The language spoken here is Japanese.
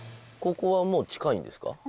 ここはもう近いんですか？